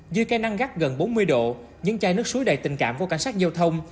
dưới cây năng gắt gần bốn mươi độ những chai nước suối đầy tình cảm của cảnh sát giao thông